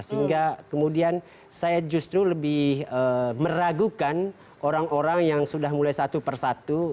sehingga kemudian saya justru lebih meragukan orang orang yang sudah mulai satu persatu